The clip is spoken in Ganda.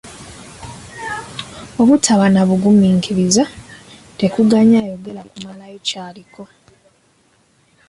Obutaba na bugumiikiriza tekuganya ayogera kumalayo ky'aliko.